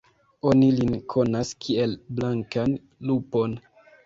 Oni lin konas, kiel blankan lupon.